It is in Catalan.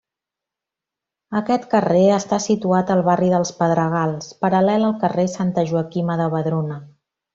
Aquest carrer està situat al barri dels Pedregals, paral·lel al carrer Santa Joaquima de Vedruna.